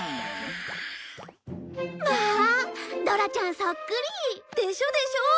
まあドラちゃんそっくり！でしょ？でしょ？